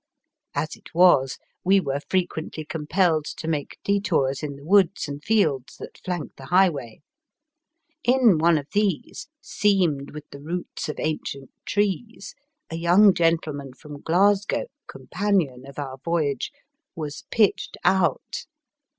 As it was, we were frequently compelled to make dStours in the woods and fields that flank the highway. In one of these, seamed with the roots of ancient trees, a young gentleman from Glasgow, companion of our voyage, was pitched out.